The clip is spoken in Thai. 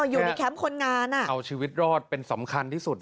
อยู่ในแคมป์คนงานเอาชีวิตรอดเป็นสำคัญที่สุด